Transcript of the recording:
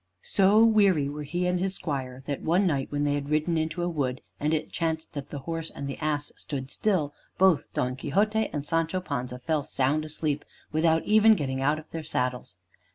So weary were he and his squire, that one night, when they had ridden into a wood, and it chanced that the horse and the ass stood still, both Don Quixote and Sancho Panza fell sound asleep without even getting out of their saddles.